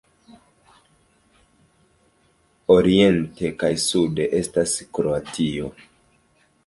Oriente kaj sude estas Kroatio.